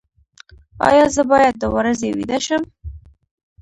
ایا زه باید د ورځې ویده شم؟